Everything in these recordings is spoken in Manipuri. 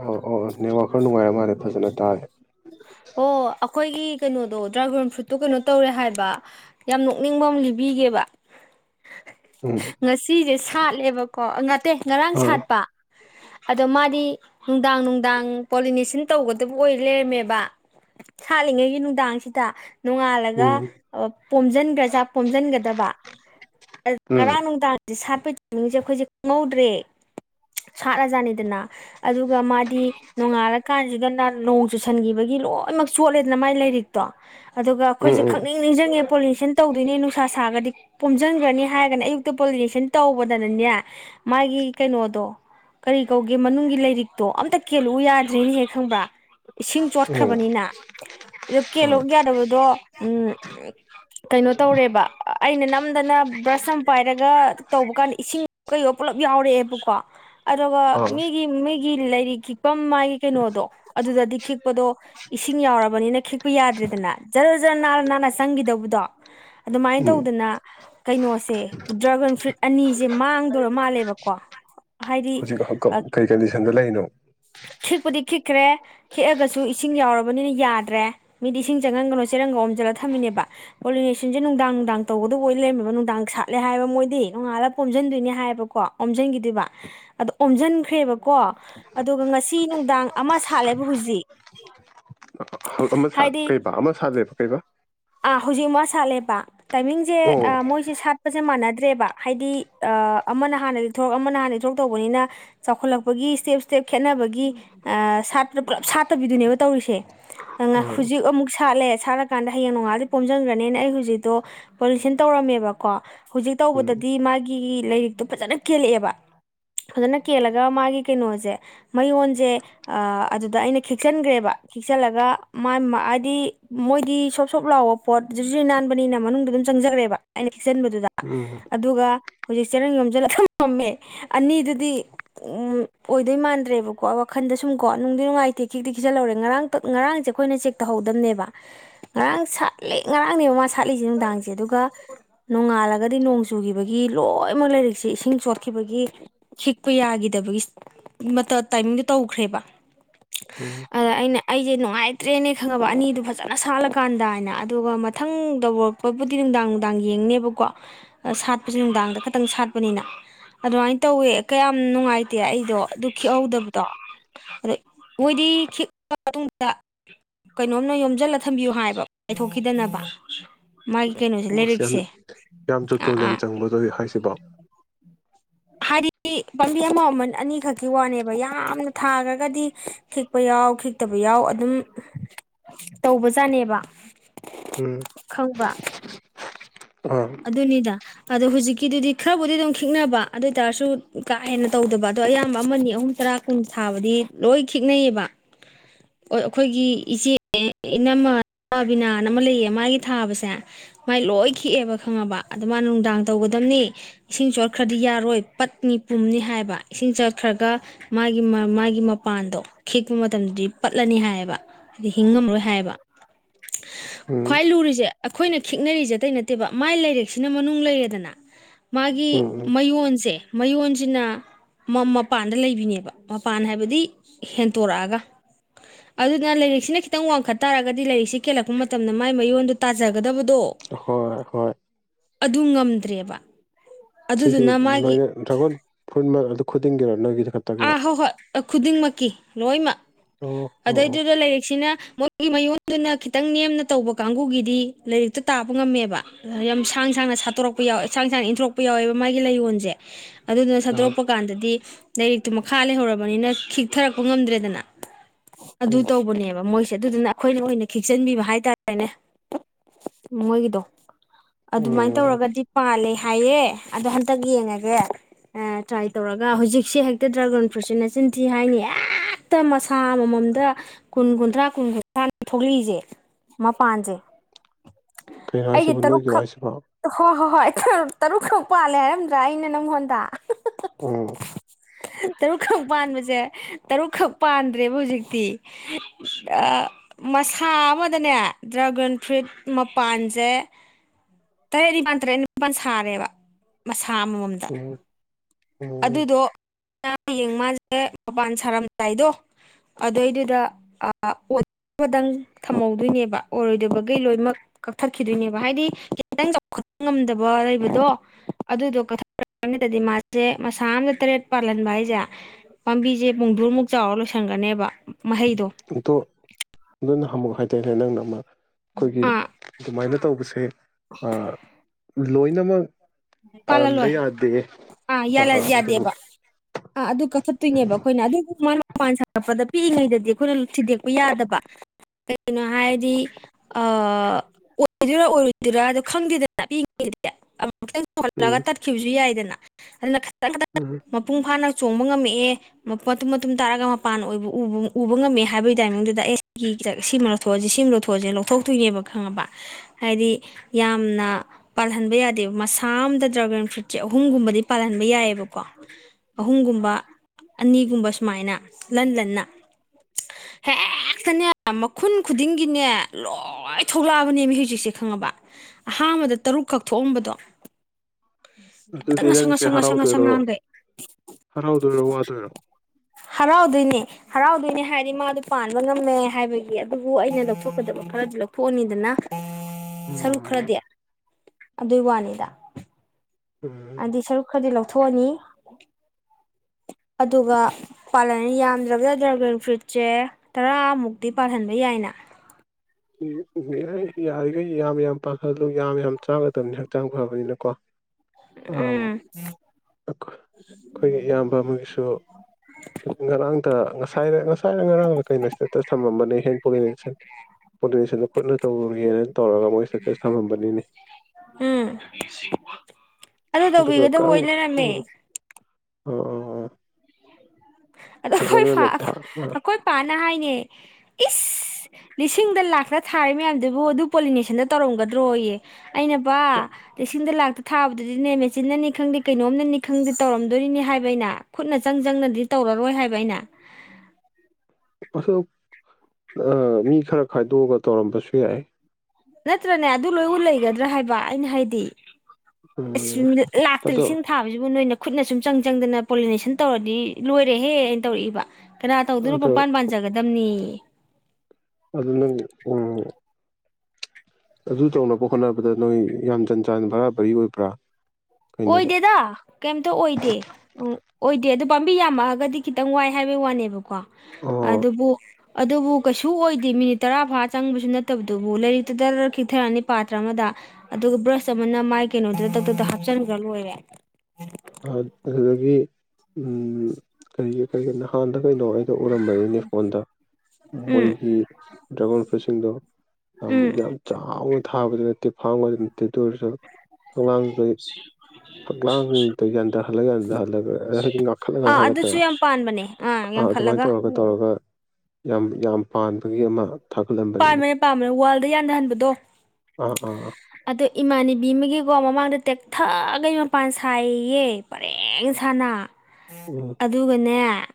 ꯑꯣ ꯑꯣ ꯅꯦꯠꯋꯥꯛ ꯈꯔ ꯅꯨꯡꯉꯥꯏꯔ ꯃꯥꯜꯂꯦ ꯐꯖꯅ ꯇꯥꯔꯦ ꯑꯣ ꯑꯩꯈꯣꯏꯒꯤ ꯀꯩꯅꯣꯗꯣ ꯗ꯭ꯔꯥꯒꯣꯟ ꯐ꯭ꯔꯨꯠꯇꯣ ꯀꯩꯅꯣ ꯇꯧꯔꯦ ꯍꯥꯏꯕ ꯌꯥꯝ ꯅꯣꯛꯅꯤꯡꯕ ꯑꯃ ꯂꯤꯕꯤꯒꯦꯕ ꯎꯝ ꯉꯁꯤꯖꯦ ꯁꯥꯠꯂꯦꯕꯀꯣ ꯅꯠꯇ‌ꯦ ꯉꯔꯥꯡ ꯑꯥ ꯁꯥꯠꯄ ꯑꯗꯣ ꯃꯥꯗꯤ ꯅꯨꯡꯗꯥꯡ ꯅꯨꯡꯗꯥꯡ ꯄꯣꯂꯤꯅꯦꯁꯟ ꯇꯧꯒꯗꯕ ꯑꯣꯏ ꯂꯩꯔꯝꯃꯦꯕ ꯕ ꯁꯥꯠꯂꯤꯉꯩꯒꯤ ꯅꯨꯡꯗꯥꯡꯁꯤꯗ ꯅꯣꯡꯉꯥꯜꯂꯒ ꯎꯝ ꯄꯣꯝꯁꯤꯟꯒ꯭ꯔꯖꯥ ꯄꯣꯝꯁꯤꯟꯒꯗꯕ ꯎꯝ ꯉꯔꯥꯡ ꯅꯨꯡꯗꯥꯡ ꯁꯥꯠꯄꯩ ꯇꯥꯏꯃꯤꯡꯁꯦ ꯑꯩꯈꯣꯏꯁꯦ ꯈꯪꯍꯧꯗ꯭ꯔꯦ ꯁꯥꯠꯂꯖꯥꯠꯅꯤꯗꯅ ꯑꯗꯨꯒ ꯃꯥꯗꯤ ꯅꯣꯡꯉꯥꯜꯂ ꯀꯥꯟꯁꯤꯗ ꯅꯣꯡ ꯆꯨꯁꯟ ꯁꯟꯈꯤꯕꯒꯤ ꯂꯣꯏꯅꯃꯛ ꯆꯣꯠꯂꯦꯗꯅ ꯃꯥꯏ ꯂꯥꯏꯔꯤꯛꯇꯣ ꯑꯗꯨꯒ ꯎꯝ ꯑꯩꯈꯣꯏꯁꯦ ꯎꯝ ꯈꯪꯅꯤꯡ ꯅꯤꯡꯁꯤꯡꯉꯛꯑꯦ ꯄꯣꯂꯤꯄꯦꯁꯟ ꯇꯧ ꯅꯦ ꯅꯨꯡꯁꯥ ꯁꯥꯒ꯭ꯔꯗꯤ ꯄꯣꯝꯁꯤꯟꯈ꯭ꯔꯅꯤ ꯍꯥꯏꯔꯒꯅꯦ ꯑꯌꯨꯛꯇ ꯄꯣꯂꯤꯅꯦꯁꯟ ꯇꯧꯕꯗꯅꯦ ꯃꯥꯒꯤ ꯀꯩꯅꯣꯗꯣ ꯀꯔꯤ ꯀꯧꯒꯦ ꯃꯅꯨꯡꯒꯤ ꯂꯩꯔꯤꯛꯇꯣ ꯑꯝꯇ ꯀꯦꯜꯂꯛꯎ ꯌꯥꯗ꯭ꯔꯦꯅꯦꯍꯦ ꯈꯪꯕ꯭ꯔꯥ ꯏꯁꯤꯡ ꯎꯝ ꯆꯣꯠꯈ꯭ꯔꯕꯅꯤꯅ ꯑꯗ ꯑꯥ ꯀꯦꯜꯂꯛꯑꯣ ꯌꯥꯗꯕꯗꯣ ꯀꯩꯅꯣ ꯇꯧꯔꯦꯕ ꯑꯩꯅ ꯅꯝꯗꯅ ꯕ꯭ꯔꯁ ꯑꯃ ꯄꯥꯏꯔꯒ ꯇꯧꯕ ꯀꯥꯟꯗ ꯏꯁꯤꯡ ꯀꯩꯑꯣ ꯄꯨꯂꯞ ꯌꯥꯎꯔꯛꯑꯦꯕꯀꯣ ꯑꯗꯨꯒ ꯃꯤꯒꯤ ꯃꯤꯒꯤ ꯂꯩꯥꯏꯔꯤꯛ ꯈꯤꯛꯐꯝ ꯃꯥꯒꯤ ꯀꯩꯅꯣꯗꯣ ꯑꯗꯨꯗꯗꯤ ꯏꯁꯤꯡ ꯌꯥꯎꯔꯕꯅꯤꯅ ꯈꯤꯛꯄ ꯌꯥꯗ꯭ꯔꯦꯗꯅ ꯆꯠ ꯖꯔ ꯖꯔ ꯅꯥꯟꯅ ꯅꯥꯟꯅ ꯆꯪꯈꯤꯗꯧꯕꯗꯣ ꯑꯗꯨꯃꯥꯏꯅ ꯎꯝ ꯇꯧꯗꯅ ꯀꯩꯅꯣꯁꯦ ꯗ꯭ꯔꯥꯒꯟ ꯐ꯭ꯔꯨꯏꯠ ꯑꯅꯤꯁꯦ ꯃꯥꯡꯗꯣꯔ ꯃꯥꯜꯂꯦꯕꯀꯣ ꯍꯥꯏꯗꯤ ꯍꯧꯖꯤꯛ ꯑ ꯀꯩ ꯀꯟꯗꯤꯁꯟꯗ ꯂꯩꯔꯤꯅꯣ ꯈꯤꯛꯄꯨꯗꯤ ꯈꯤꯛꯈ꯭ꯔꯦ ꯑꯗꯨ ꯏꯁꯤꯡ ꯌꯥꯎꯔꯕꯅꯤꯅ ꯌꯥꯗ꯭ꯔꯦ ꯃꯤꯗꯤ ꯏꯁꯤꯡ ꯆꯪꯍꯟꯒꯅꯨ ꯆꯦꯔꯪꯒ ꯑꯣꯝꯖꯜꯂꯒ ꯊꯝꯃꯤꯅꯦꯕ ꯄꯣꯂꯤꯅꯦꯁꯟꯁꯦ ꯅꯨꯡꯗꯥꯡ ꯅꯨꯡꯗꯥꯡ ꯇꯧꯒꯗꯧꯕ ꯑꯣꯏ ꯂꯩꯔꯝꯃꯦꯕ ꯅꯨꯡꯗꯥꯡ ꯁꯥꯠꯂꯦ ꯍꯥꯏꯕ ꯃꯣꯏꯗꯤ ꯅꯣꯡꯉꯥꯜꯂꯒ ꯑꯣꯝꯁꯤꯟꯗꯣꯏꯅꯦ ꯍꯥꯏꯌꯦꯕꯀꯣ ꯄ‌ꯣꯝꯁꯤꯟꯈꯤꯗꯣꯏꯕ ꯑꯗꯣ ꯑꯣꯝꯁꯤꯟꯈ꯭ꯔꯦꯕꯀꯣ ꯑꯗꯨꯒ ꯉꯁꯤ ꯅꯨꯡꯗꯥꯡ ꯑꯃ ꯁꯥꯠ [unintelligible] ꯍꯧꯖꯤꯛ ꯑꯃ ꯁꯥꯠ ꯍꯥꯏꯗꯤ ꯀꯩꯕꯥ ꯑꯃ ꯁꯥꯠꯂꯦꯕ ꯀꯩꯕꯥ ꯁꯥꯠꯂꯦꯕꯥ ꯇꯥꯏꯃꯤꯡꯁꯦ ꯑꯣ ꯑ ꯃꯣꯏꯁꯦ ꯁꯥꯠꯄꯁꯦ ꯃꯥꯟꯅ ꯗꯦꯕ ꯍꯥꯏꯗꯤ ꯑꯃꯅ ꯍꯥꯟꯅ ꯂꯤꯊꯣꯔꯛ ꯑꯃꯅ ꯍꯥꯟꯅ ꯂꯤꯊꯣꯔꯛ ꯇꯧꯕꯅꯤꯅ ꯆꯥꯎꯈꯠꯂꯛꯄꯒꯤ ꯁ꯭ꯇꯦꯞ ꯁ꯭ꯇꯦꯞ ꯈꯦꯠꯅꯕꯒꯤ ꯁꯥꯇ꯭ꯔ ꯄꯨꯂꯞ ꯁꯥꯠꯇꯕꯤꯗꯨꯅꯦꯕ ꯇꯧꯔꯤꯁꯦ ꯑ ꯑꯣ ꯍꯧꯖꯤꯛ ꯑꯃꯨꯛ ꯁꯥꯠꯂꯦ ꯁꯥꯠꯂꯀꯥꯟꯗ ꯍꯌꯦꯡ ꯅꯣꯡꯉꯥꯜꯗꯤ ꯄꯣꯝꯁꯤꯟꯈ꯭ꯔꯅꯤꯅ ꯑꯩ ꯍꯧꯖꯤꯛꯇꯣ ꯄꯣꯂꯤꯁꯟ ꯇꯧꯔꯝꯃꯦꯕꯀꯣ ꯍꯧꯖꯤꯛ ꯎꯝ ꯇꯧꯕꯗꯗꯤ ꯃꯥꯒꯤ ꯂꯥꯏꯔꯤꯛꯇꯣ ꯐꯖꯅ ꯀꯦꯜꯂꯛꯑꯦꯕ ꯐꯖꯅ ꯀꯦꯜꯂꯒ ꯃꯥꯒꯤ ꯀꯩꯅꯣꯁꯦ ꯃꯌꯣꯟꯁꯦ ꯑꯗꯨꯗ ꯑꯩꯅ ꯈꯤꯛꯆꯟꯈ꯭ꯔꯦꯕ ꯈꯤꯛꯆꯜꯂꯒ ꯃꯥ ꯍꯥꯏꯗꯤ ꯃꯣꯏꯗꯤ ꯁꯣꯞ ꯁꯣꯞ ꯂꯥꯎꯕ ꯄꯣꯠꯁꯨꯖꯤ ꯏ ꯅꯥꯟꯕꯅꯤꯅ ꯃꯅꯨꯡꯗ ꯑꯗꯨꯝ ꯆꯪꯖꯈ꯭ꯔꯦꯕ ꯑꯩꯅ ꯊꯤꯆꯟꯕꯗꯨꯗ ꯎꯝ ꯑꯗꯨꯒ ꯍꯧꯖꯤꯛ ꯆꯦꯔꯪ ꯉꯝꯃꯦ ꯑꯅꯤꯗꯨꯗꯤ ꯎ ꯑꯣꯏꯗꯣꯏ ꯃꯥꯟꯗ꯭ꯔꯦꯕꯀꯣ ꯋꯥꯈꯟꯗ ꯁꯨꯝ ꯀꯣ ꯅꯨꯡꯗꯤ ꯅꯨꯡꯉꯥꯏꯇꯦ ꯈꯤꯛꯇꯤ ꯈꯤꯆꯠꯍꯧꯔꯦ ꯉꯔꯥꯡ ꯉꯔꯥꯡꯁꯦ ꯑꯩꯈꯣꯏꯅ ꯆꯦꯛ ꯇꯧꯍꯧꯗꯗꯝꯅꯦꯕ ꯉꯔꯥꯡ ꯁꯥꯠꯂꯦ ꯉꯔꯥꯡꯅꯦꯕ ꯃꯥ ꯊꯠꯂꯤꯁꯦ ꯅꯨꯡꯗꯥꯡꯁꯦ ꯑꯗꯨꯒ ꯅꯣꯡꯉꯥꯜꯂꯒꯗꯤ ꯅꯣꯡ ꯆꯨꯈꯤꯕꯒꯤ ꯂꯣꯏꯅꯃꯛ ꯂꯥꯏꯔꯤꯛꯁꯦ ꯏꯁꯤꯡ ꯆꯣꯠꯈꯤꯕꯒꯤ ꯍꯤꯛꯄ ꯌꯥꯒꯤꯗꯕꯒꯤ ꯇꯥꯏꯃꯤꯡꯗꯨꯣ ꯇꯧꯈ꯭ꯔꯦꯕ ꯎꯝ ꯑꯗ ꯑꯩꯅ ꯑꯩꯁꯦ ꯅꯨꯡꯉꯥꯏꯇ꯭ꯔꯦꯅꯦ ꯈꯪꯉꯕ ꯑꯅꯤꯗꯨ ꯐꯖꯅ ꯁꯥꯠꯂꯀꯥꯟꯗ ꯍꯥꯏꯅ ꯑꯗꯨꯒ ꯃꯊꯪꯗꯧꯔꯛꯄꯕꯨꯗꯤ ꯅꯨꯡꯗꯥꯡ ꯅꯨꯡꯗꯥꯡ ꯌꯦꯡꯅꯦꯕꯀꯣ ꯁꯥꯠꯄꯁꯦ ꯅꯨꯡꯗꯥꯡꯗ ꯈꯇꯪ ꯁꯥꯠꯄꯅꯤꯅ ꯑꯗꯨꯃꯥꯏꯅ ꯇꯧꯋꯦ ꯀꯌꯥꯝ ꯅꯨꯡꯉꯥꯏꯇꯦ ꯑꯩꯗꯣ ꯑꯗꯨ ꯈꯤꯍꯧꯗꯕꯗꯣ ꯑꯗꯣ ꯃꯣꯏꯗꯤ ꯈꯤꯛꯂ ꯃꯇꯨꯡꯗ ꯀꯩꯅꯣꯝꯅ ꯌꯣꯝꯖꯤꯜꯂ ꯊꯝꯕꯤꯌꯨ ꯍꯥꯏꯕ ꯄꯥꯏꯊꯣꯛꯈꯤꯗꯅꯕ ꯁ ꯌꯥꯝ ꯌꯥꯝ ꯑꯥ ꯆꯨꯇꯨꯅ ꯑꯥ ꯌꯥꯝ ꯆꯪꯒꯗꯣꯏ ꯍꯥꯏꯁꯤꯕ ꯍꯥꯏꯗꯤ ꯄꯥꯝꯕꯤ ꯑꯃꯃꯜ ꯑꯅꯤꯈꯛꯀꯤ ꯋꯥꯅꯦꯕ ꯌꯥꯝꯅ ꯊꯥꯈ꯭ꯔꯒꯗꯤ ꯈꯤꯛꯄ ꯌꯥꯎ ꯈꯤꯛꯇꯕ ꯌꯥꯎ ꯑꯗꯨꯝ ꯇꯧꯕꯖꯥꯠꯅꯦꯕ ꯎꯝ ꯈꯪꯕ ꯑꯥ ꯑꯗꯨꯅꯤꯗ ꯑꯗꯣ ꯍꯧꯖꯤꯛꯀꯤꯗꯨꯗꯤ ꯈꯔꯕꯨꯗꯤ ꯑꯗꯨꯝ ꯈꯤꯛꯅꯕ ꯑꯗꯨ ꯑꯣꯏꯇꯥꯔꯁꯨ ꯀꯥ ꯍꯦꯟꯅ ꯇꯧꯗꯕ ꯑꯗꯣ ꯑꯌꯥꯝꯕ ꯑꯃꯅꯤ ꯑꯍꯨꯝ ꯇꯔꯥ ꯀꯨꯟ ꯊꯥꯕꯗꯤ ꯂꯣꯏ ꯈꯤꯛꯅꯩꯌꯦꯕ ꯑꯩꯈꯣꯏꯒꯤ ꯏꯆꯦ ꯏꯅꯝꯃ ꯕꯤꯅꯥꯟ ꯑꯃ ꯂꯩꯌꯦ ꯃꯥꯒꯤ ꯊꯥꯕꯁꯦ ꯃꯥꯏ ꯂꯣꯏ ꯈꯤꯛꯑꯦꯕ ꯈꯪꯉꯕ ꯑꯗ ꯃꯥꯅ ꯅꯨꯡꯗꯥꯡ ꯇꯧꯒꯗꯝꯕꯅꯤ ꯏꯁꯤꯡ ꯆꯣꯠꯈ꯭ꯔꯗꯤ ꯌꯥꯔꯣꯏ ꯄꯠꯅꯤ ꯄꯨꯝꯅꯤ ꯍꯥꯏꯕ ꯏꯁꯤꯡ ꯆꯠꯈ꯭ꯔꯒ ꯃꯥꯒꯤ ꯃꯥꯒꯤ ꯃꯄꯥꯟꯗꯣ ꯈꯤꯛꯄ ꯃꯇꯝꯗꯗꯤ ꯄꯠꯂꯅꯤ ꯍꯥꯏꯌꯦꯕ ꯍꯥꯏꯗꯤ ꯍꯤꯡꯉꯝꯔꯣꯏ ꯍꯥꯏꯌꯦꯕ ꯎꯝ ꯈ꯭ꯋꯥꯏ ꯂꯨꯔꯤꯁꯦ ꯑꯩꯈꯣꯏꯅ ꯈꯤꯛꯅꯔꯤꯁꯦ ꯑꯇꯩ ꯅꯠꯇꯦꯕ ꯃꯥꯏ ꯂꯥꯏꯔꯤꯛꯁꯤꯅ ꯃꯅꯨꯡ ꯂꯩꯔꯦꯗꯅ ꯃꯥꯒꯤ ꯎꯝ ꯎꯝ ꯃꯌꯣꯟꯁꯦ ꯃꯌꯣꯟꯁꯤꯅ ꯃꯄꯥꯟꯗ ꯂꯩꯕꯤꯅꯦꯕ ꯃꯄꯥꯟ ꯍꯥꯏꯕꯗꯤ ꯍꯦꯟꯇꯣꯔꯛꯑꯒ ꯑꯗꯨꯅ ꯂꯥꯏꯔꯤꯛꯁꯤꯅ ꯈꯤꯇꯪ ꯋꯥꯡꯈꯠ ꯇꯥꯔꯒꯗꯤ ꯂꯥꯏꯔꯤꯛꯁꯤ ꯀꯦꯜꯂꯛꯄ ꯃꯇꯝꯗ ꯅ ꯃꯥꯏ ꯃꯌꯣꯟꯗꯣ ꯇꯥꯖꯒꯗꯕꯗꯣ ꯍꯣꯏ ꯍꯣꯏ ꯑꯗꯨ ꯉꯝꯗ꯭ꯔꯦꯕ ꯁꯤꯁꯤ ꯑꯗꯨꯗꯨꯅ ꯃꯥꯒꯤ ꯂꯣꯏꯅ ꯗ꯭ꯔꯒꯣꯜ ꯐꯨ ꯈꯨꯗꯤꯡꯒꯤꯔꯣ ꯅꯣꯏꯒꯤꯗꯣ ꯑꯥ ꯍꯣꯏ ꯍꯣꯏ ꯈꯨꯗꯤꯡꯃꯛꯀꯤ ꯂꯣꯏꯃꯛ ꯑꯣ ꯑꯣ ꯑꯗꯨꯗꯩꯗꯨꯗ ꯂꯥꯏꯔꯤꯛꯁꯤꯅ ꯃꯣꯏꯒꯤ ꯃꯌꯣꯟꯗꯨꯅ ꯈꯤꯇꯪ ꯅꯦꯝꯅ ꯇꯧꯕ ꯀꯥꯡꯕꯨꯒꯤꯗꯤ ꯂꯥꯏꯔꯤꯛꯇ ꯇꯥꯕ ꯉꯝꯃꯦꯕ ꯌꯥꯝ ꯁꯥꯡ ꯁꯥꯡꯅ ꯁꯥꯠꯇꯣꯔꯛꯄ ꯌꯥꯎꯋꯦ ꯁꯥꯡ ꯁꯥꯡꯅ ꯏꯟꯊꯣꯔꯛꯄ ꯌꯥꯎꯋꯦꯕ ꯃꯥꯒꯤ ꯂꯥꯏꯌꯣꯟꯁꯦ ꯑꯗꯨꯗꯨꯅ ꯑꯣ ꯁꯟꯗꯣꯔꯛꯄ ꯀꯥꯟꯗꯗꯤ ꯂꯥꯏꯔꯤꯛꯇꯨ ꯃꯈꯥ ꯂꯩꯍꯧꯔꯕꯅꯤꯅ ꯈꯤꯛꯊꯔꯛꯄ ꯉꯝꯗ꯭ꯔꯦꯗꯅ ꯑꯗꯨ ꯎꯝ ꯇꯧꯕꯅꯦꯕ ꯃꯣꯏ ꯑꯗꯨꯗꯨꯅ ꯑꯩꯈꯣꯏꯅ ꯑꯣꯏꯅ ꯈꯤꯛꯆꯟꯕꯤꯕ ꯍꯥꯏꯇꯥꯔꯦꯅꯦ ꯃꯣꯏꯒꯤꯗꯣ ꯎꯝ ꯑꯗꯨꯃꯥꯏꯅ ꯎꯝ ꯇꯧꯔꯒꯗꯤ ꯄꯥꯜꯂꯦ ꯍꯥꯏꯌꯦꯦ ꯑꯗꯣ ꯍꯟꯇꯛ ꯌꯦꯡꯉꯒꯦ ꯇ꯭ꯔꯥꯏ ꯇꯧꯔꯒ ꯍꯧꯖꯤꯛ ꯁꯤ ꯍꯦꯛꯇ ꯗ꯭ꯔꯥꯒꯟ ꯐ꯭ꯔꯨꯠꯁꯤꯅꯆꯤꯟꯊꯤ ꯍꯥꯏꯅꯤ ꯍꯦꯛꯇ ꯃꯁꯥ ꯑꯃꯃꯝꯗ ꯀꯨꯟ ꯀꯨꯟꯊ꯭ꯔꯥ ꯀꯨꯟ ꯀꯨꯟꯊ꯭ꯔꯥ ꯊꯣꯛꯂꯛꯏꯁꯦ ꯃꯄꯥꯟꯁꯦ ꯀꯩꯅꯣ ꯑꯩꯒꯤ ꯍꯥꯏꯁꯤꯕꯨ ꯅꯣꯏꯒꯤꯔꯣ ꯇꯔꯨꯛꯈꯛ ꯍꯥꯏꯁꯤꯕꯣ ꯍꯣ ꯍꯣ ꯍꯣꯏ ꯇꯔꯨꯛꯈꯛ ꯄꯥꯜꯂꯦ ꯍꯥꯏꯔꯝꯗ꯭ꯔꯥ ꯑꯩꯅ ꯅꯪꯉꯣꯟꯗ ꯎꯝ ꯇꯔꯨꯛꯈꯛ ꯄꯥꯟꯕꯁꯦ ꯇꯔꯨꯛꯈꯛ ꯄꯥꯟꯗ꯭ꯔꯦꯕ ꯍꯧꯖꯤꯛꯇꯤ ꯃꯁꯥ ꯑꯃꯗꯅꯦ ꯗ꯭ꯔꯥꯒꯟ ꯐ꯭ꯔꯨꯏꯠ ꯃꯄꯥꯟꯁꯦ ꯇꯔꯦꯠ ꯅꯤꯄꯥꯜ ꯇꯔꯦꯠꯅꯤ ꯅꯤꯄꯥꯟ ꯁꯥꯔꯦꯕ ꯊꯥ ꯑꯃꯃꯝꯗ ꯎꯝ ꯎꯝ ꯑꯗꯨꯗꯣ ꯑ ꯍꯌꯦꯡ ꯃꯥꯁꯦ ꯃꯄꯥꯟ ꯁꯥꯔꯝꯗꯥꯏꯗꯣ ꯑꯗꯨꯗꯏꯗꯨꯗ ꯑꯣꯗꯪ ꯊꯝꯍꯧꯗꯣꯏꯅꯦꯕ ꯑꯣꯔꯣꯏꯗꯕꯈꯩ ꯂꯣꯏꯅꯃꯛ ꯀꯛꯊꯠꯈꯤꯗꯣꯏꯅꯦꯕ ꯍꯥꯏꯗꯤ ꯈꯤꯇꯪ ꯆꯥꯎꯈꯠꯄ ꯉꯝꯗꯕ ꯂꯩꯕꯗꯣ ꯑꯗꯨꯗꯣ ꯀꯛꯊꯅꯤꯗꯗꯤ ꯃꯥꯁꯦ ꯁꯦ ꯃꯁꯥ ꯑꯝꯗ ꯇꯔꯦꯠ ꯄꯥꯜꯍꯟꯕ ꯍꯥꯏꯁꯦ ꯄꯥꯝꯕꯤꯁꯦ ꯄꯨꯡꯗꯨꯣꯃꯨꯛ ꯆꯥꯎꯔ ꯂꯣꯏꯁꯟꯒꯅꯦꯕ ꯃꯍꯩꯗꯣ ꯑꯗꯨꯅ ꯍꯝꯃ ꯍꯥꯏꯇꯥꯔꯦꯅꯦ ꯅꯪꯅ ꯑꯃ ꯑꯩꯈꯣꯏꯒꯤ ꯑꯥ ꯑꯗꯨꯃꯥꯏꯅ ꯇꯧꯕꯁꯦ ꯑ ꯂꯣꯏꯅꯃꯛ ꯄꯥꯍꯟꯕ ꯄꯥꯜꯍꯜꯂꯣꯏ ꯌꯥꯗꯦ ꯑꯥ ꯌꯥꯗꯦꯕ ꯑꯥ ꯑꯗꯨ ꯀꯛꯊꯠꯇꯣꯏꯅꯦꯕ ꯑꯩꯈꯣꯏꯅ ꯑꯗꯨ ꯃꯄꯥꯟ ꯁꯥꯔꯛꯄꯗ ꯄꯤꯛꯏꯉꯩꯗꯗꯤ ꯑꯩꯈꯣꯏꯅ ꯊꯤꯗꯦꯛꯄ ꯌꯥꯗꯕ ꯀꯩꯒꯤꯅꯣ ꯍꯥꯏꯗꯤ ꯑꯣꯏꯔꯣꯏꯗꯣꯏꯔꯥ ꯑꯣꯏꯔꯣꯏꯗꯣꯏꯔꯥꯗꯣ ꯈꯪꯗꯦꯗꯅ ꯄꯤꯛꯏꯉꯩꯗꯤ ꯑꯃꯇꯪ ꯁꯧꯍꯜꯂꯒ ꯎꯝ ꯇꯠꯈꯤꯕꯁꯨ ꯌꯥꯏꯗꯅ ꯑꯗꯨ ꯎꯝ ꯃꯄꯨꯡ ꯐꯥꯅ ꯆꯣꯡꯕ ꯉꯝꯃꯛꯑꯦ ꯃꯇꯨꯝ ꯃꯇꯨꯝ ꯇꯥꯔꯒ ꯃꯄꯥꯟꯕ ꯎꯕ ꯉꯝꯃꯦꯦ ꯍꯥꯏꯕꯒꯤ ꯇꯥꯏꯃꯤꯡꯗꯨꯗ ꯑꯦ ꯁꯤꯒꯤ ꯈꯤꯇ ꯁꯤꯃ ꯂꯧꯊꯣꯛꯑꯁꯦ ꯁꯤꯃ ꯂꯧꯊꯣꯛꯑꯁꯤꯦꯅ ꯂꯧꯊꯣꯛꯇꯣꯏꯅꯦꯕ ꯈꯪꯉꯕ ꯍꯥꯏꯗꯤ ꯌꯥꯝꯅ ꯄꯥꯜꯍꯟꯕ ꯌꯥꯗꯦꯕ ꯃꯁꯥ ꯑꯃꯝꯗ ꯗ꯭ꯔꯥꯒꯟ ꯐ꯭ꯔꯨꯏꯠꯁꯦ ꯑꯍꯨꯝꯒꯨꯝꯕꯗꯤ ꯄꯥꯜꯍꯟꯕ ꯌꯥꯏꯑꯕꯀꯣ ꯑꯍꯨꯝꯒꯨꯝꯕ ꯑꯅꯤꯒꯨꯝꯕ ꯁꯨꯃꯥꯏꯅ ꯂꯟ ꯂꯟꯅ ꯍꯦꯛꯇꯅꯦ ꯃꯈꯨꯟ ꯈꯨꯗꯤꯡꯒꯤꯅꯦ ꯂꯣꯏ ꯊꯣꯛꯂꯛꯑꯕꯅꯦꯃꯤ ꯍꯧꯖꯤꯛꯁꯦ ꯈꯪꯉꯕ ꯑꯍꯥꯟꯕꯗ ꯇꯔꯨꯛꯈꯛ ꯊꯣꯛꯑꯝꯕꯗꯣ ꯇꯪ ꯑꯗꯨꯗꯤ ꯉꯁꯪ ꯅꯪꯁꯦ ꯉꯁ ꯉꯁꯨꯝ ꯉꯁꯝ ꯍꯔꯥꯎꯗꯣꯏꯔꯣ ꯉꯥꯟꯈꯩ ꯍꯔꯥꯎꯗꯣꯏꯔꯣ ꯋꯥꯗꯣꯏꯔꯣ ꯍꯔꯥꯎꯗꯣꯏꯅꯦ ꯍꯔꯥꯎꯗꯣꯏꯅꯦ ꯍꯥꯏꯗꯤ ꯃꯥꯗꯣ ꯄꯥꯟꯕ ꯉꯝꯃꯦ ꯍꯥꯏꯕꯒꯤ ꯑꯗꯨꯕꯨ ꯑꯩꯅ ꯂꯧꯊꯣꯛꯀꯗꯕ ꯈꯔꯗꯤ ꯂꯧꯊꯣꯛꯑꯅꯤꯗꯅ ꯁꯔꯨꯛ ꯎꯝ ꯈ꯭ꯔꯗꯤ ꯑꯗꯨꯏꯕꯥꯅꯤꯗ ꯎꯝ ꯑꯗꯨꯗꯤ ꯁꯔꯨꯛ ꯈꯔꯗꯤ ꯂꯧꯊꯣꯛꯑꯅꯤ ꯑꯗꯨꯒ ꯄꯥꯜꯂꯅꯤ ꯌꯥꯝꯗ꯭ꯔꯕꯗ ꯗ꯭ꯔꯥꯒꯟ ꯐ꯭ꯔꯨꯏꯠꯁꯦ ꯇꯔꯥꯃꯨꯛꯇꯤ ꯄꯥꯜꯍꯟꯕ ꯌꯥꯏꯅ ꯎꯝ ꯌꯥ ꯌꯥꯔꯤꯈꯩ ꯌꯥꯝ ꯌꯥꯝ ꯄꯥꯈꯠꯂꯨ ꯌꯥꯝ ꯌꯥꯝ ꯆꯥꯒꯗꯕꯅꯤ ꯍꯛꯆꯥꯡ ꯐꯕꯅꯤꯅꯀꯣ ꯎꯝ ꯑꯩꯈꯣꯏꯒꯤ ꯏꯌꯥꯝꯕ ꯑꯃꯒꯤꯁꯨ ꯍꯧ ꯉꯔꯥꯡꯗ ꯉꯍꯥꯛ ꯉꯥꯏ ꯉꯁꯥꯏꯅ ꯉꯔꯥꯡꯅ ꯀꯩꯅꯣ ꯏꯁꯇꯦꯠꯇꯁ ꯊꯝꯃꯝꯕꯅꯦ ꯍꯦꯟ ꯄꯣꯂꯤꯉꯩꯦ [unintelligible] ꯀꯣꯔꯗꯤꯅꯦꯁꯟꯗ ꯈꯨꯠꯅ ꯇꯧꯔꯒꯦꯅ ꯇꯧꯔꯒ ꯃꯣꯏ ꯏꯁꯇ꯭ꯔꯛꯇꯦꯁ ꯊꯝꯃꯝꯕꯅꯤꯅꯦ ꯎꯝ ꯑꯗꯨ ꯇꯧꯕꯤꯒꯗꯕ ꯑꯣꯏꯅꯔꯝꯃꯦ ꯑꯣ ꯑꯣ ꯑꯩꯈꯣꯏ ꯑꯩꯈꯣꯏ ꯄꯥꯅ ꯍꯥꯏꯅꯦ ꯏꯁ ꯂꯤꯁꯤꯡꯗ ꯂꯥꯛꯇ ꯊꯥꯔꯤ ꯃꯌꯥꯝꯗꯨꯕꯨ ꯑꯗꯨ ꯄꯣꯂꯤꯅꯦꯁꯟꯗ ꯇꯧꯔꯝꯒꯗ꯭ꯔꯣꯌꯦ ꯑꯩꯅ ꯄ ꯂꯤꯁꯤꯡꯗ ꯂꯥꯛꯇ ꯊꯥꯕꯗꯨꯗꯤꯅꯦ ꯃꯦꯆꯤꯟꯅꯅꯤ ꯈꯪꯗꯦ ꯀꯩꯅꯣꯝꯅꯅꯤ ꯈꯪꯗꯦ ꯇꯧꯔꯝꯗꯣꯔꯤꯅꯤ ꯍꯥꯏꯕ ꯑꯩꯅ ꯈꯨꯠꯅ ꯆꯪ ꯆꯪꯅꯗꯤ ꯇꯧꯔꯔꯣꯏ ꯍꯥꯏꯕ ꯑꯩꯅ ꯑ ꯃꯤ ꯈꯔ ꯈꯥꯏꯗꯣꯛꯑꯒ ꯇꯧꯔꯝꯕꯁꯨ ꯌꯥꯏ ꯅꯠꯇ꯭ꯔꯅꯦ ꯑꯗꯨ ꯂꯣꯏꯕꯨ ꯂꯩꯒꯗ꯭ꯔꯥ ꯍꯥꯏꯕ ꯑꯩꯅ ꯍꯥꯏꯗꯤ ꯑꯁ ꯎꯝ ꯂꯥꯛꯇ ꯑꯗꯣ ꯂꯤꯁꯤꯡ ꯊꯥꯕꯁꯤꯕꯨ ꯅꯣꯏꯅ ꯈꯨꯠꯅ ꯁꯨꯝ ꯆꯪ ꯆꯪꯗꯅ ꯄꯣꯂꯤꯅꯦꯁꯟ ꯇꯧꯔꯗꯤ ꯂꯣꯏꯔꯦꯍꯦ ꯑꯅ ꯇꯧꯔꯛꯏꯕ ꯀꯅꯥ ꯇꯧꯗꯣꯏꯅꯣ ꯑꯗꯣ ꯃꯄꯥꯟ ꯄꯥꯟꯖꯒꯗꯕꯅꯤ ꯑꯗꯨꯅ ꯎ ꯑꯗꯨ ꯇꯧꯅꯕ ꯍꯣꯠꯅꯕꯗ ꯅꯣꯏ ꯌꯥꯝ ꯆꯟ ꯆꯥꯟ ꯕꯔꯥ ꯕꯔꯤ ꯑꯣꯏꯕ꯭ꯔꯥ ꯀꯩꯅꯣ ꯑꯣꯏꯗꯦꯗ ꯀꯩꯝꯇ ꯑꯣꯏꯗꯦ ꯎ ꯑꯣꯏꯗꯦ ꯑꯗꯣ ꯄꯥꯝꯕꯤ ꯌꯥꯝꯃꯛꯑꯒꯗꯤ ꯈꯤꯇꯪ ꯋꯥꯏ ꯍꯥꯏꯕꯩ ꯋꯥꯅꯦꯕꯀꯣ ꯑꯣ ꯑꯗꯨꯕꯨ ꯑꯗꯨꯕꯨ ꯀꯩꯁꯨ ꯑꯣꯏꯗꯦ ꯃꯤꯅꯤꯠ ꯇꯔꯥ ꯐꯥ ꯆꯪꯕꯁꯨ ꯅꯠꯇꯕꯗꯨꯕꯨ ꯂꯥꯏꯔꯤꯛꯇꯨꯗ ꯈꯤꯛꯊꯔꯛꯑꯅꯤ ꯄꯥꯇ꯭ꯔ ꯑꯃꯗ ꯑꯗꯨꯒ ꯕ꯭ꯔꯁ ꯑꯃꯅ ꯃꯥꯏ ꯀꯩꯅꯣꯗꯨꯗ ꯇꯛ ꯇꯇ ꯍꯥ ꯞ ꯆꯟꯈ꯭ꯔ ꯂꯣꯏꯔꯦ ꯑ ꯑꯗꯨꯗꯒꯤ ꯎꯝ ꯀꯔꯤꯒꯤ ꯀꯔꯤꯒꯦ ꯅꯍꯥꯟꯗ ꯀꯩꯅꯣ ꯑꯩꯗ ꯎꯔꯝꯕꯅꯤꯅꯦ ꯐꯣꯟꯗ ꯎꯝ ꯃꯣꯏꯒꯤ ꯗ꯭ꯔꯥꯒꯣꯟ ꯐ꯭ꯔꯨꯏꯠꯁꯤꯡꯗꯣ ꯌꯥꯝ ꯎꯝ ꯌꯥꯝ ꯆꯥꯎꯅ ꯊꯥꯕꯗꯤ ꯅꯠꯇꯦ ꯐꯥꯡꯕꯗ ꯅꯠꯇꯦ ꯑꯗꯨ ꯑꯣꯏꯔꯁꯨ ꯐꯛꯂꯥꯡꯖꯩ ꯐꯛꯂꯥꯡ ꯑ ꯌꯥꯟꯗ꯭ꯔ ꯍꯜꯂ ꯌꯥꯟꯗ꯭ꯔ ꯍꯜꯂꯒ꯭ꯔꯦ ꯑꯗ ꯍꯥꯏꯗꯤ ꯉꯥꯈꯠꯂꯒ ꯑꯥ ꯑꯗꯨꯁꯨ ꯍꯜꯂꯛꯀꯔꯥ ꯌꯥꯝ ꯄꯥꯟꯕꯅꯦ ꯑꯥ ꯑꯗꯨꯃꯥꯏꯅ ꯌꯥꯡꯈꯠꯂꯒ ꯇꯧꯔꯒ ꯇꯧꯔꯒ ꯌꯥꯝ ꯌꯥꯝ ꯄꯥꯟꯕꯒꯤ ꯑꯃ ꯊꯥꯒꯠꯂꯝꯕꯅꯤꯅꯦ ꯄꯥꯝꯃꯦꯅꯦ ꯄꯥꯝꯃꯦꯅꯦ ꯋꯥꯜꯗ ꯌꯥꯅꯍꯟꯕꯗꯣ ꯑꯥ ꯑꯥ ꯑ ꯏꯃꯥꯟꯅꯕꯤ ꯑꯃꯒꯤꯀꯣ ꯃꯃꯥꯡꯗ ꯇꯦꯛꯊꯛꯒꯩ ꯃꯄꯥꯟ ꯁꯥꯏꯌꯦ ꯄꯔꯦꯡ ꯁꯥꯥꯟꯅ ꯎꯝ ꯑꯗꯨꯒꯅꯦ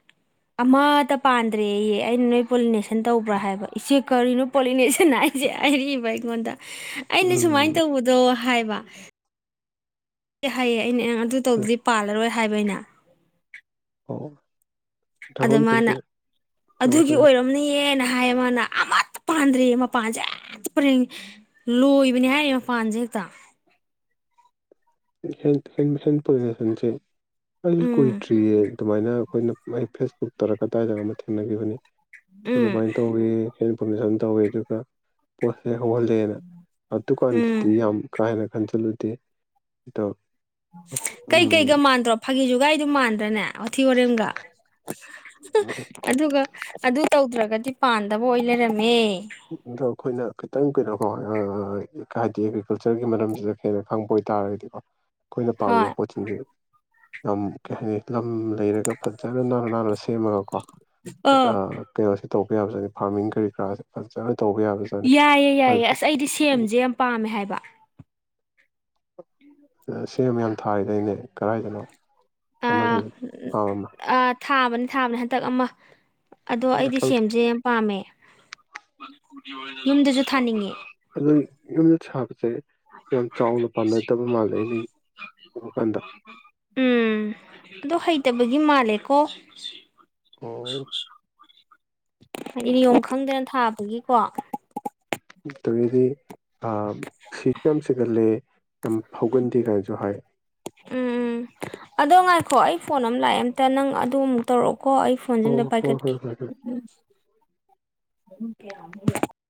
ꯑꯃꯠꯇ ꯄꯥꯟꯗ꯭ꯔꯦꯌꯦ ꯑꯩꯅ ꯅꯣꯏ ꯄꯣꯂꯤꯅꯦꯁꯟ ꯇꯧꯕ꯭ꯔꯥ ꯍꯥꯏꯕ ꯏꯆꯦ ꯀꯔꯤꯅꯣ ꯄꯣꯂꯤꯅꯦꯁꯟ ꯍꯥꯏꯁꯦ ꯍꯥꯏꯔꯛꯏꯕ ꯑꯩꯉꯣꯟꯗ ꯑꯅꯦ ꯁꯨꯃꯥꯏꯅ ꯎꯝ ꯇꯧꯕꯗꯣ ꯍꯥꯏꯕ ꯍꯥꯏꯌꯦ ꯑꯩꯅ ꯑꯗꯨ ꯇꯧꯗꯗꯤ ꯄꯥꯜꯂꯔꯣꯏ ꯍꯥꯏꯕ ꯑꯩꯅꯥ ꯑꯣ ꯑꯗ ꯗ꯭ꯔꯥꯒꯣꯟ ꯃꯥꯅ ꯐ꯭ꯔꯨꯠꯁꯦ ꯑꯥ ꯑꯗꯨꯒꯤ ꯍꯥꯏꯌꯣ ꯑꯣꯏꯔꯝꯅꯤꯌꯦꯅ ꯍꯥꯏ ꯃꯥꯅ ꯑꯃꯠꯇ ꯄꯥꯟꯗ꯭ꯔꯦ ꯃꯄꯥꯟꯁꯦ ꯑ ꯄꯔꯦꯡ ꯂꯣꯏꯕꯅꯤ ꯍꯥꯏꯔ ꯃꯄꯥꯟꯁꯦ ꯍꯦꯛꯇ ꯦꯟ ꯄꯁꯤꯦ ꯑ ꯀꯣꯏ ꯎꯝ ꯇꯔꯤꯌꯦ ꯑꯗꯨꯃꯥꯏꯅ ꯑꯈꯣꯏꯅ ꯑꯩ ꯐꯦꯁꯕꯨꯛ ꯇꯔ ꯀꯗꯥꯏꯗ ꯑꯃ ꯊꯦꯡꯅꯒꯤꯕꯅꯤ ꯎꯝ ꯑꯗꯨꯃꯥꯏꯅ ꯇꯧꯋꯤ ꯍꯦꯟꯄꯣꯂꯨꯁꯟ ꯇꯧꯋꯤ ꯑꯗꯨꯒ ꯄꯣꯠꯁꯦ ꯍꯧꯍꯜꯂꯦꯅ ꯎꯝ ꯑꯗꯨꯀꯥꯟꯗꯇꯤ ꯌꯥꯝ ꯀꯥꯍꯦꯟꯅ ꯈꯟꯖꯜꯂꯨꯗꯦ ꯗꯣ ꯀꯩꯀꯩꯒ ꯃꯥꯟꯗ꯭ꯔꯣ ꯐꯥꯒꯤꯖꯣ ꯒꯥꯏꯗꯣ ꯃꯥꯟꯗ꯭ꯔꯅꯦ ꯌꯊꯤ ꯋꯥꯔꯦꯝꯒ ꯑꯗꯨꯒ ꯑꯗꯨ ꯇꯧꯗ꯭ꯔꯒꯗꯤ ꯄꯥꯟꯗꯕ ꯑꯣꯏ ꯂꯩꯔꯝꯃꯦ ꯑꯗꯣ ꯑꯈꯣꯏꯅ ꯈꯤꯇꯪ ꯀꯩꯅꯣ ꯀꯣ ꯍꯥꯏꯗꯤ ꯑꯦꯒ꯭ꯔꯤꯀꯜꯆꯔꯒꯤ ꯃꯔꯝꯁꯤꯗ ꯍꯦꯟꯅ ꯈꯪꯕ ꯑꯣꯏꯇꯥꯔꯒꯗꯤꯀꯣ ꯑꯈꯣꯏꯅ ꯄꯥꯝꯃꯤꯕ ꯍꯣꯏ ꯄꯣꯠꯁꯤꯡꯁꯦ ꯌꯥꯝ ꯀꯩꯍꯥꯏꯅꯤ ꯂꯝ ꯂꯩꯔꯒ ꯐꯖꯅ ꯅꯥꯟꯅ ꯅꯥꯟꯅ ꯁꯦꯝꯃꯒꯀꯣ ꯑꯥ ꯀꯩꯅꯣꯁꯤ ꯇꯧꯕ ꯌꯥꯕꯖꯥꯠꯅꯤ ꯐꯥꯔꯃꯤꯡ ꯀꯩꯀꯥꯁꯦ ꯐꯖꯥ ꯌꯥꯏꯌꯦ ꯌꯥꯏꯌꯦ ꯑꯁ ꯑꯩꯗꯤ ꯁꯦꯝꯖꯦ ꯌꯥꯝ ꯄꯥꯝꯃꯦ ꯍꯥꯏꯕ ꯁꯦꯝ ꯌꯥꯝ ꯊꯥꯔꯤꯗꯥꯏꯅꯦ ꯀꯔꯥꯏꯗꯅꯣ ꯑꯃ ꯂꯩꯕꯅꯤ ꯐꯥꯝ ꯑꯃ ꯊꯥꯕꯅꯤ ꯊꯥꯕꯅꯤ ꯍꯟꯗꯛ ꯑꯃ ꯑꯗꯣ ꯑꯩꯗꯤ ꯁꯦꯝꯁꯦ ꯌꯥꯝ ꯄꯥꯝꯃꯦ ꯃꯅꯤꯄꯨꯔꯒꯤ ꯑꯣꯏꯅ ꯑꯗꯨ ꯌꯨꯝ ꯊꯥ ꯁꯤ ꯑꯩꯅ ꯎꯕ ꯀꯥꯟꯗ [unintelligible] ꯎꯝ ꯑꯗꯨ ꯍꯩ ꯇꯕꯒꯤ ꯃꯥꯜꯂꯦꯀꯣ ꯑꯣ ꯍꯥꯏꯗꯤ ꯅꯤꯌꯣꯝ ꯈꯪꯗꯅ ꯊꯥꯕꯒꯤꯀꯣ ꯇꯪꯗꯤ ꯁꯤꯁꯨ ꯌꯥꯝ ꯁꯤꯒꯜꯂꯦ ꯌꯥꯝ ꯍꯧꯒꯟꯗꯦ ꯀꯥꯏꯁꯦ ꯖꯨꯍꯣꯏ ꯎꯝ ꯎꯝ ꯑꯗꯣ ꯉꯥꯏꯈꯣ ꯑꯩ ꯐꯣꯟ ꯑꯃ ꯂꯥꯛꯑꯦ ꯑꯝꯇ ꯅꯪ ꯑꯗꯨ ꯑꯃꯨꯛ ꯇꯧꯔꯛꯎ ꯀꯣ ꯑꯩ ꯐꯣꯟꯁꯦ ꯑꯣ ꯍꯣꯏ ꯑꯝꯇ ꯍꯣꯏ ꯄꯥꯏꯈꯠꯀꯦ ꯍꯣꯏ ꯍꯣꯏ ꯎꯝ [unintelligible] ꯀꯌꯥ [unintelligible]